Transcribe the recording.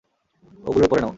ওগুলোর পরে নাও।